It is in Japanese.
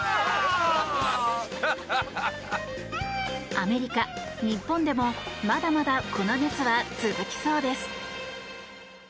アメリカ、日本でもまだまだこの熱は続きそうです。